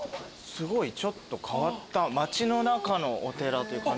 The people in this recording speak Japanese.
すごいちょっと変わった街の中のお寺という感じの。